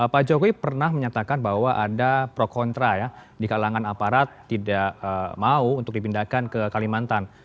pak jokowi pernah menyatakan bahwa ada pro kontra ya di kalangan aparat tidak mau untuk dipindahkan ke kalimantan